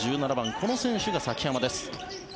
この選手が崎濱です。